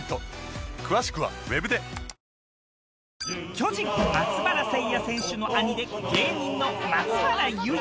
巨人松原聖弥選手の兄で芸人の松原ゆい。